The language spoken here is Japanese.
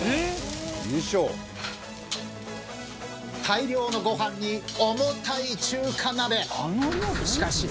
大量のご飯に重たい中華鍋。